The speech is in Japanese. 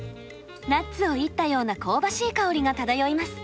ナッツをいったような香ばしい香りが漂います。